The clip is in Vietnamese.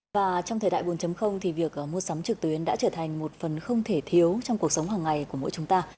và trong thời đại bốn thì việc mua sắm trực tuyến đã trở thành một phần không thể thiếu trong cuộc sống hàng ngày của mỗi chúng ta